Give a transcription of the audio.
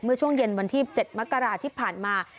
ช่วงเย็นวันที่๗มกราที่ผ่านมา